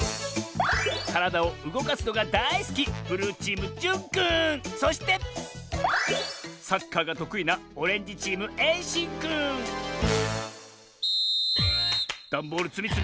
からだをうごかすのがだいすきそしてサッカーがとくいなダンボールつみつみスタート！